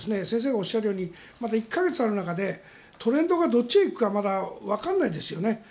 先生がおっしゃるようにまだ１か月ある中でトレンドがどっちへ行くかわからないですよね。